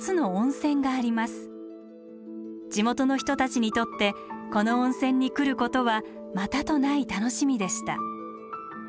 地元の人たちにとってこの温泉に来ることはまたとない楽しみでした。